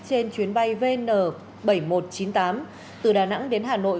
trên chuyến bay vn bảy nghìn một trăm chín mươi tám từ đà nẵng đến hà nội